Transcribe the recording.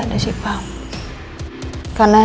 kok lo kok perlu buat premdak